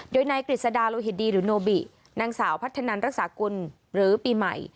โดยนายกฤษดาโลหิตดีหรือโนบินางสาวพัฒนันรักษากุลหรือปีใหม่